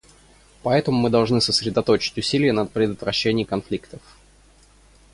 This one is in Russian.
Поэтому мы должны сосредоточить усилия на предотвращении конфликтов.